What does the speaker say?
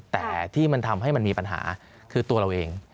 แต่ที่มันทำให้มันมีปัญหาคือตัวเราเอง